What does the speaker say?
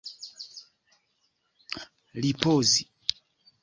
ripozi